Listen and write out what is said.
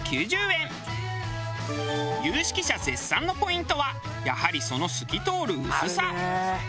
有識者絶賛のポイントはやはりその透き通る薄さ。